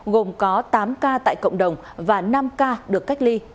gồm có tám ca tại cộng đồng và năm ca được cách ly